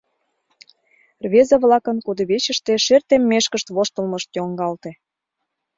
Рвезе-влакын кудывечыште шер теммешкышт воштылмышт йоҥгалте.